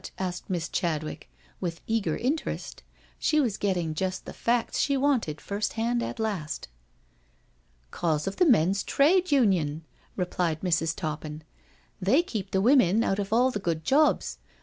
asked Miss Chadwick, with eager in terest. She was getting just the facts she wanted first hand at last. " 'Cause of the men's Trade Union," replied Mrs. Toppin. " They keep the women out of all the good jobs.